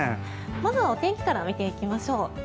まずはお天気から見ていきましょう。